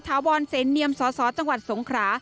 ถาวรเสนเนียมสสจังหวัดสงขรา